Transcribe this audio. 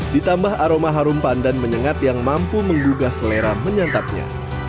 ditambah aroma harum pandan menyengat yang mampu menggugah selera menyantapnya